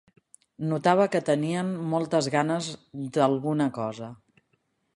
Notava que tenien moltes ganes d'alguna cosa.